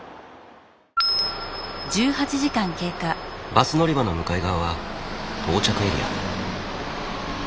バス乗り場の向かい側は到着エリア。